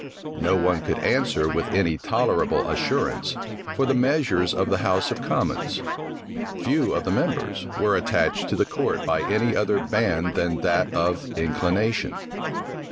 No one could answer with any tolerable assurance for the measures of the house of commons. Few of the members were attached to the court by any other band than that of inclination.